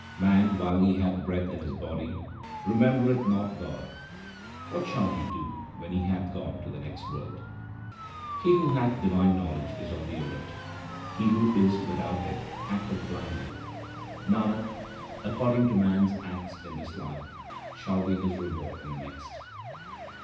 Man while he hath breath in his body remembereth not 216 THE SIKH RELIGION God ; what shall he do when he hath gone to the next world ? He who hath divine knowledge is on the alert ; he who is without it acteth blindly. Nanak, according to man's acts in this life shall be his reward in the next.